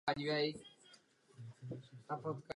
V současné době je bez angažmá.